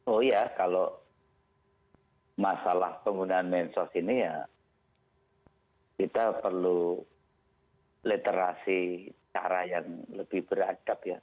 oh iya kalau masalah penggunaan mensos ini ya kita perlu literasi cara yang lebih beradab ya